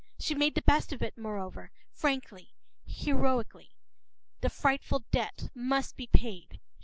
She made the best of it, moreover, frankly, heroically. The frightful debt must be paid.